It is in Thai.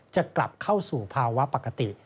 จะกลับเข้าสู่ภาวะปกติ